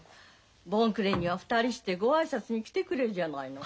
盆暮れには２人してご挨拶に来てくれるじゃないの。